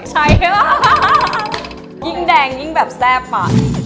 ใช่ค่ะยิ่งแดงยิ่งแบบแทรกค่ะ